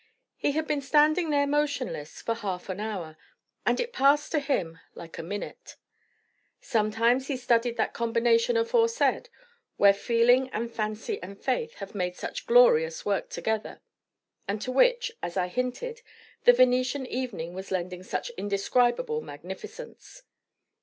He had been standing there motionless for half an hour; and it passed to him like a minute. Sometimes he studied that combination aforesaid, where feeling and fancy and faith have made such glorious work together; and to which, as I hinted, the Venetian evening was lending such indescribable magnificence.